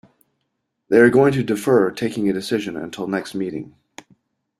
They are going to defer taking a decision until the next meeting.